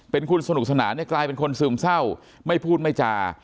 เป็นคุณสนุกสนานเนี่ยกลายเป็นคนซึมเศร้าไม่พูดไม่จา